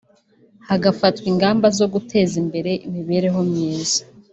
hagafatwa ingamba zo guteza imbere imibereho myiza